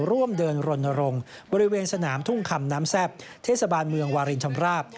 ร่วมเดินรณรงค์บริเวณสนามทุ่งคำน้ำแซ่บเทศบาลเมืองวารินชำราบ